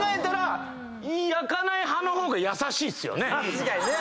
確かにね。